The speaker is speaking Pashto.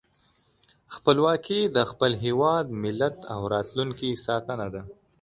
خپلواکي د خپل هېواد، ملت او راتلونکي ساتنه ده.